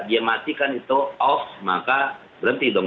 dia matikan itu off maka berhenti dong